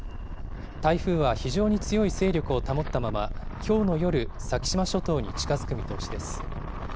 台風は非常に強い勢力を保ったまま、きょうの夜、先島諸島に近づく見通しです。